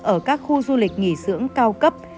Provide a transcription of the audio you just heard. ở các khu du lịch nghỉ sưỡng cao cấp